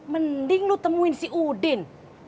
mending lu temuin si udin